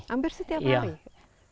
hampir setiap hari